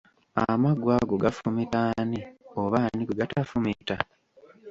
Amaggwa ago gafumita ani oba ani gwe gatafumita?